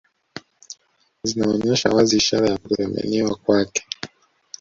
Zinaonyesha wazi ishara ya kutothaminiwa kwake